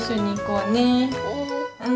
うん。